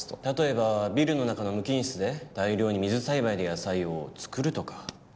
例えばビルの中の無菌室で大量に水栽培で野菜を作るとか。